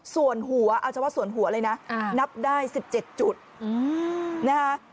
ส่วนหัวเอาเฉพาะส่วนหัวเลยนะนับได้๑๗จุดนะคะ